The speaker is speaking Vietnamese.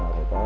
rồi phải có